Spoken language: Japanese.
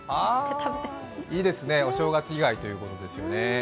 いいですね、お正月以来ということですよね。